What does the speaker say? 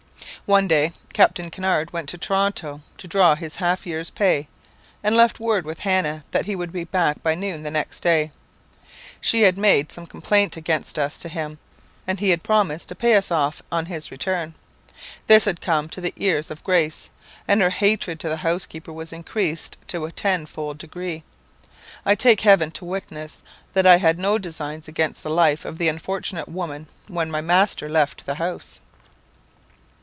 "One day Captain Kinnaird went to Toronto, to draw his half year's pay, and left word with Hannah that he would be back by noon the next day. She had made some complaint against us to him, and he had promised to pay us off on his return. This had come to the ears of Grace, and her hatred to the housekeeper was increased to a tenfold degree. I take heaven to witness, that I had no designs against the life of the unfortunate woman when my master left the house.